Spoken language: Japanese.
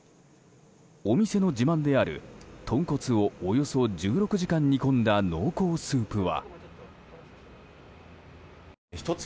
お店の自慢である豚骨をおよそ１６時間煮込んだ濃厚スープは。